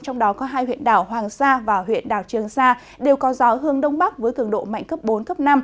trong đó có hai huyện đảo hoàng sa và huyện đảo trường sa đều có gió hương đông bắc với cường độ mạnh cấp bốn cấp năm